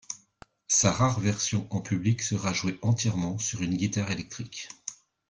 Sa rare version en public sera jouée entièrement sur une guitare électrique.